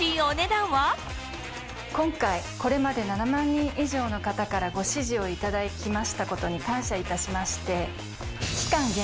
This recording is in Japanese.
今回これまで７万人以上の方からご支持をいただきましたことに感謝いたしまして。